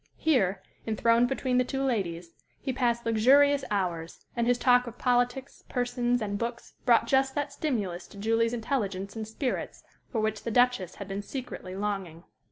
Here, enthroned between the two ladies, he passed luxurious hours, and his talk of politics, persons, and books brought just that stimulus to Julie's intelligence and spirits for which the Duchess had been secretly longing.